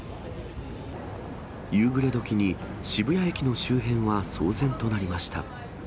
夕暮れ時に、渋谷駅の周辺は騒然となりました。